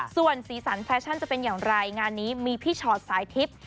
ส่วนสีสันแฟชั่นจะเป็นอย่างไรงานนี้มีพี่ชอตสายทิพย์